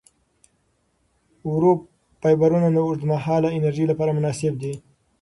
ورو فایبرونه د اوږدمهاله انرژۍ لپاره مناسب دي.